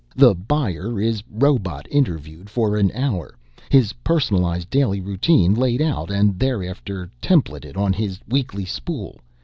The buyer is robot interviewed for an hour, his personalized daily routine laid out and thereafter templated on his weekly spool.